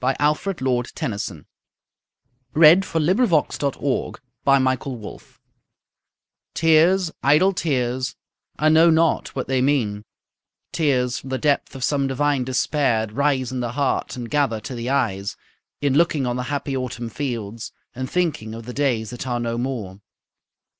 What I am about to read is from his last long poem, "The Princess:" Tears, idle tears, I know not what they mean, Tears from the depth of some divine despair Rise in the heart, and gather to the eyes, In looking on the happy Autumn fields, And thinking of the days that are no more.